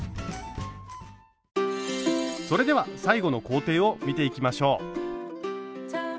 それでは最後の工程を見ていきましょう。